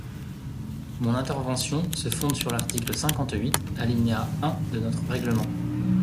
Mon intervention se fonde sur l’article cinquante-huit, alinéa un de notre règlement.